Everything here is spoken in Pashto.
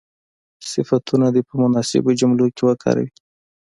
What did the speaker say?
صفتونه دې په مناسبو جملو کې وکاروي.